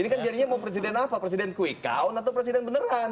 ini kan jadinya mau presiden apa presiden quick count atau presiden beneran